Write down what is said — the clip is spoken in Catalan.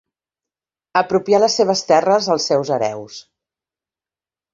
Apropià les seves terres als seus hereus.